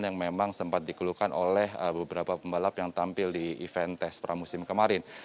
yang memang sempat dikeluhkan oleh beberapa pembalap yang tampil di event tes pramusim kemarin